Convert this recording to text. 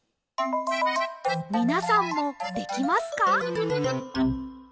みなさんもできますか？